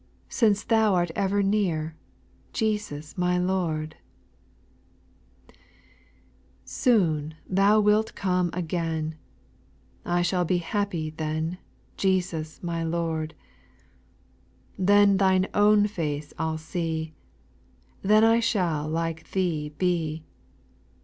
Since Thou art ever near ? Jesus my Lord I 4. Soon Thou wilt come again » I shall be happy then, Jesus my Lord I Then Thine own face I '11 see, Then I shall like Thee be.